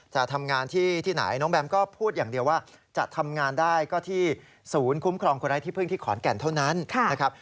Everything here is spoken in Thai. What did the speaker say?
จะทำงานที่ไหนน้องแบมก็พูดอย่างเดียวว่าจะทำงานได้ก็ที่ศูนย์คุ้มครองคนไร้ที่พึ่งที่ขอนแก่นเท่านั้นนะครับ